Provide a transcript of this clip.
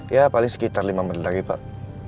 ya paling sekitar lima menit lagi pak